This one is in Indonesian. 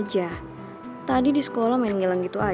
buat tadi nanya sama yang semua